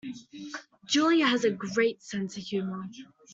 Julia has a great sense of humour